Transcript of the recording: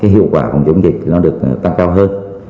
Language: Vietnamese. hiệu quả phòng chống dịch nó được tăng cao hơn